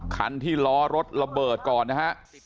คันที่ล้อรถระเบิดก่อนนะฮะ